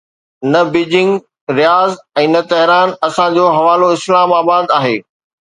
نه Beijing Riyadh ۽ نه Tehran, اسان جو حوالو اسلام آباد آهي.